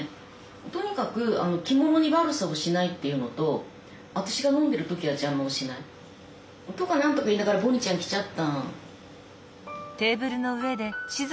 とにかく着物に悪さをしないっていうのと私が飲んでいる時は邪魔をしないとかなんとか言いながらボニーちゃん来ちゃった。